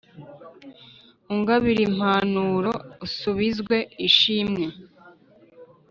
Ungabirimpanuro isubizwe ishimwe.